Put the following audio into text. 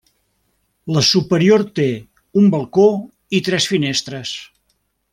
La superior té un balcó i tres finestres.